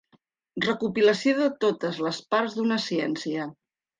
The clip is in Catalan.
Recopilació de totes les parts d'una ciència.